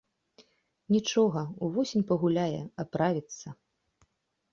Нічога, увосень пагуляе, аправіцца.